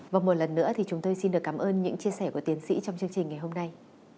và một lần nữa thì chúng tôi xin được cảm ơn những chia sẻ của tiến sĩ trong chương trình ngày hôm nay